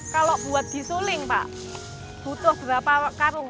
kalau buat disuling pak butuh berapa karung